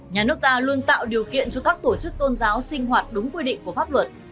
nhà nước ta luôn tạo điều kiện cho các tổ chức tôn giáo sinh hoạt đúng quy định của pháp luật